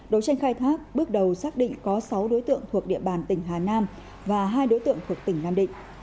đấu tranh khai thác bước đầu xác định có sáu đối tượng thuộc địa bàn tỉnh hà nam và hai đối tượng thuộc tỉnh nam định